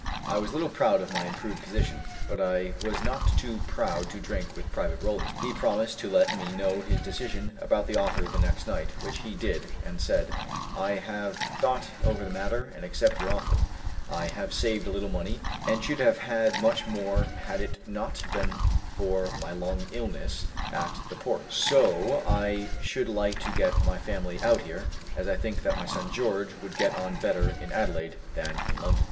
I was a little proud of my improved position; but I was not too proud to drink with Private Rollinson. He promised to let me know his decision about the offer the next night, which he did, and said, "I have thought over the matter, and accept your offer; I have saved a little money, and should have had much more had it not been for my long illness at the Port; so I should like to get my family out here, as I think that my son George would get on better in Adelaide than in London."